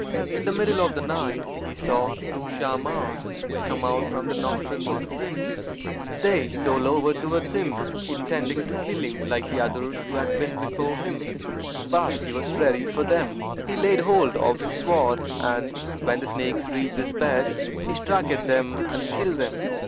In the middle of the night he saw two Shahmars come out from the nostrils of the princess. They stole over towards him, intending to kill him, like the others who had been before him: but he was ready for them. He laid hold of his sword, and when the snakes reached his bed he struck at them and killed them.